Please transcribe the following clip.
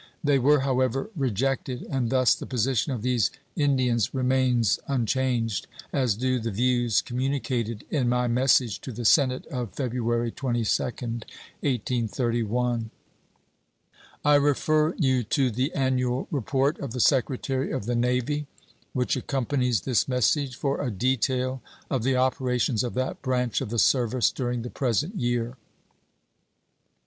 They were, however, rejected, and thus the position of these Indians remains unchanged, as do the views communicated in my message to the Senate of February 22d, 1831. I refer you to the annual report of the Secretary of the Navy, which accompanies this message, for a detail of the operations of that branch of the service during the present year.